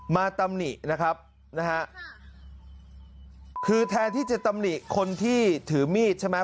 ตำหนินะครับนะฮะคือแทนที่จะตำหนิคนที่ถือมีดใช่ไหม